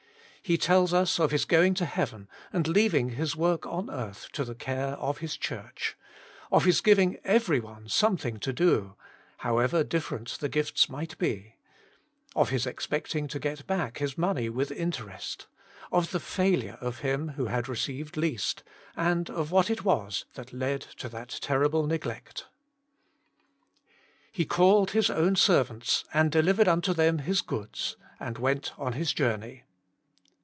He tells us of His going to heaven and leaving His work on earth to the care of His Church ; of His giving every one something to do, however different the gifts might be ; of His expect ing to get back His money wich interest; of the failure of him who had received least ; and of what it was that led to that terrible neglect. ' He called his ozvn servants and delivered unto them his goods, and zvent on his jour ney.'